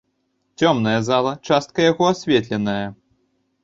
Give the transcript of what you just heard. Цёмная зала, частка яго асветленая.